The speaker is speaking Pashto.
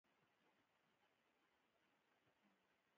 هغه هغې ته د پاک سرود ګلان ډالۍ هم کړل.